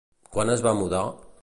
Quan es va mudar?